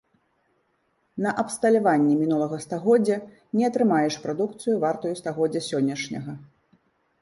На абсталяванні мінулага стагоддзя не атрымаеш прадукцыю, вартую стагоддзя сённяшняга.